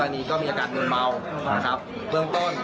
ผู้กรณีก็มีอากาศเงินเมานะครับเบื้องต้น